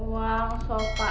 iya ini uang gitu baltimore